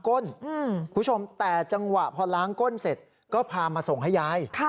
คุณผู้ชมแต่จังหวะพอล้างก้นเสร็จก็พามาส่งให้ยาย